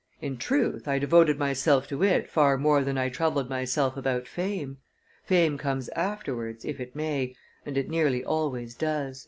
In truth, I devoted myself to it far more than I troubled myself about fame; fame comes afterwards, if it may, and it nearly always does."